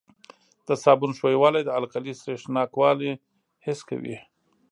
د صابون ښویوالی د القلي سریښناکوالی حس کوي.